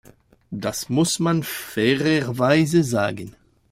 Das muss man fairerweise sagen.